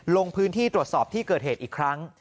ลงพื้นที่ตรวจสอบที่เกิดเหตุอีกครั้ง